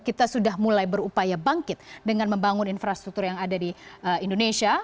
kita sudah mulai berupaya bangkit dengan membangun infrastruktur yang ada di indonesia